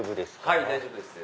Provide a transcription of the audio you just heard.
はい大丈夫です。